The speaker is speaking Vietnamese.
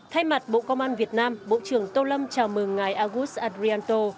thay mặt bộ công an việt nam bộ trưởng tô lâm chào mừng ngài agus adrianto